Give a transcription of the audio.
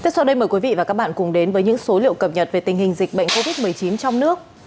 xin mời quý vị và các bạn cùng đến với những số liệu cập nhật về tình hình dịch bệnh covid một mươi chín trong nước